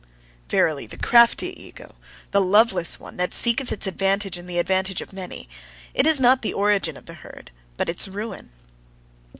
Verily, the crafty ego, the loveless one, that seeketh its advantage in the advantage of many it is not the origin of the herd, but its ruin.